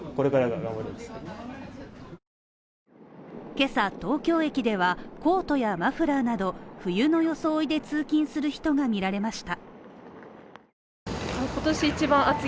今朝、東京駅ではコートやマフラーなど冬の装いで通勤する人が見られました。